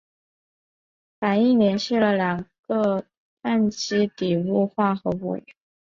反应连接了两个羰基底物化合物。